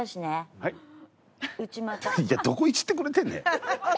いやどこイジってくれてんねん。